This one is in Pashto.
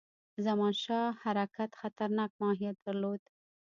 زمانشاه حرکت خطرناک ماهیت درلود.